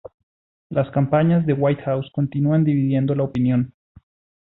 Las campañas de Whitehouse continúan dividiendo la opinión.